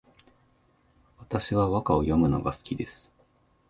私は和歌を詠むのが好きです